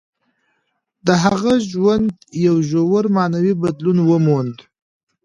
د هغه ژوند یو ژور معنوي بدلون وموند.